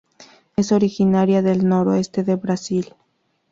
Es originaria del noroeste de Brasil.